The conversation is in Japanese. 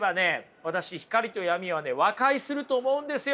私光と闇はね和解すると思うんですよ！